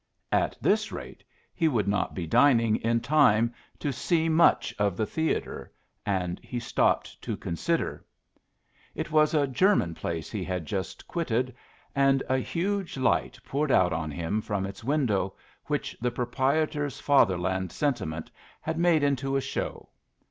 At this rate he would not be dining in time to see much of the theatre, and he stopped to consider. It was a German place he had just quitted, and a huge light poured out on him from its window, which the proprietor's father land sentiment had made into a show.